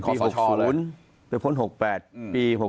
ขอบพระชอบปี๖๐